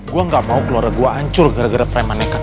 gue gak mau keluar gue ancur gara gara premanekat itu